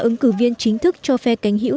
ứng cử viên chính thức cho phe cánh hữu